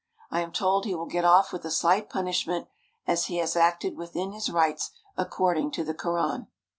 I am told he will get off with a slight punishment, as he has acted within his rights according to the Koran.